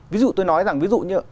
ví dụ tôi nói rằng ví dụ như